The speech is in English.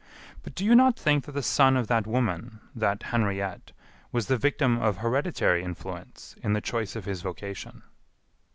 But do you not think that the son of that woman, that Henriette, was the victim of hereditary influence in the choice of his vocation?"